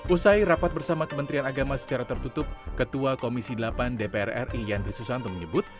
usai rapat bersama kementerian agama secara tertutup ketua komisi delapan dpr ri yandri susanto menyebut